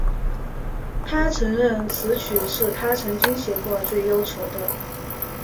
她承认此曲是她曾经写过最忧愁的。